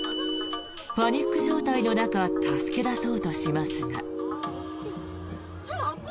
パニック状態の中助け出そうとしますが。